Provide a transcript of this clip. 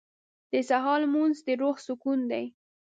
• د سهار لمونځ د روح سکون دی.